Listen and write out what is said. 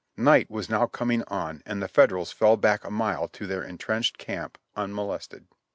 Night was now coming on and the Federals fell back a mile to their entrenched camp, unmolested.